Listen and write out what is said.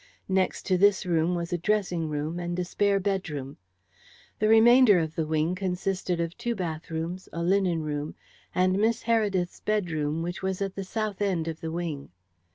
Next to this room was a dressing room, and a spare bedroom. The remainder of the wing consisted of two bathrooms, a linen room, and Miss Heredith's bedroom, which was at the south end of the wing.